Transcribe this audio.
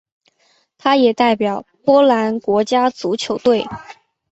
他也代表波兰国家足球队。